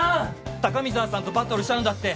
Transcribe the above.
高見沢さんとバトルしたのだって